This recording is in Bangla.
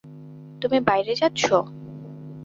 তুমি বাইরে যাচ্ছ?